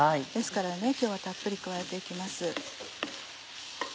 ですから今日はたっぷり加えて行きます。